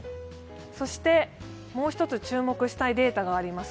もう一つ注目したいデータがあります。